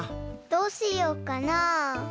どうしようかな。